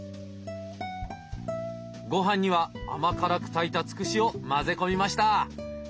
ごはんには甘辛く炊いたツクシを混ぜ込みました。